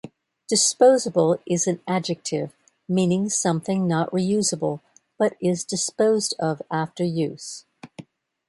"Disposable" is an "adjective" meaning something not reuseable but is disposed of after use.